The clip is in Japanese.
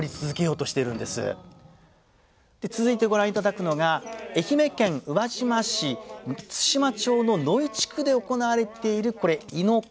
続いてご覧いただくのが愛媛県宇和島市津島町の野井地区で行われているこれ亥の子。